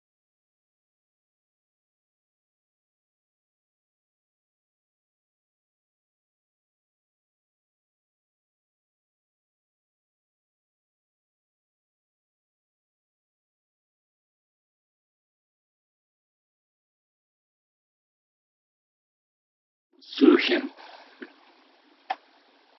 I'm gonna sue him!